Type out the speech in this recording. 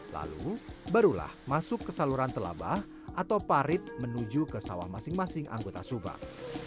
lalu barulah masuk ke saluran telabah atau parit menuju ke sawah masing masing anggota subang